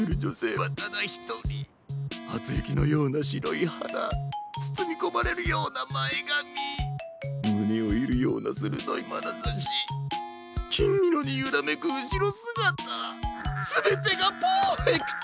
はつゆきのようなしろいはだつつみこまれるようなまえがみむねをいるようなするどいまなざしきんいろにゆらめくうしろすがたすべてがパーフェクト！